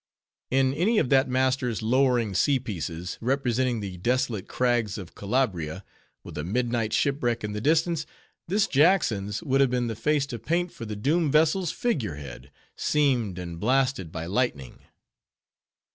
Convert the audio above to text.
In any of that master's lowering sea pieces, representing the desolate crags of Calabria, with a midnight shipwreck in the distance, this Jackson's would have been the face to paint for the doomed vessel's figurehead, seamed and blasted by lightning.